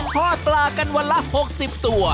ทอดปลากันวันละ๖๐ตัว